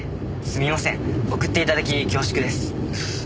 すみません送って頂き恐縮です。